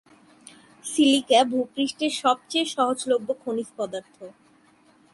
Silica ভূ-পৃষ্ঠের সবচেয়ে সহজলভ্য খনিজ পদার্থ।